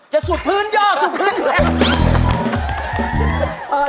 จะสุดพื้นเยาะสุดพื้นแปลก